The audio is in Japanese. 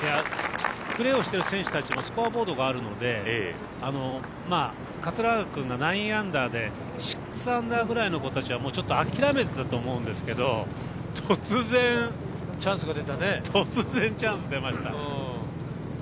プレーをしてる選手はスコアボードがあるので桂川君が９アンダーで６アンダーぐらいの子たちはもうちょっと諦めてたと思うんですけども突然、チャンス出ました。